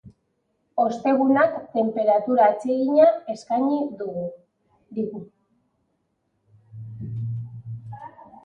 Ostegunak tenperatura atsegina eskaini digu.